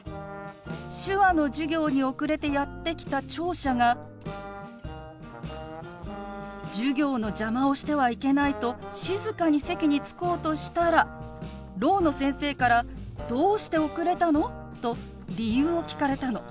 手話の授業に遅れてやって来た聴者が授業の邪魔をしてはいけないと静かに席に着こうとしたらろうの先生から「どうして遅れたの？」と理由を聞かれたの。